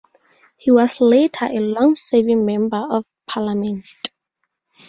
He was later a long-serving Member of Parliament.